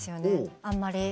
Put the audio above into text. あんまり。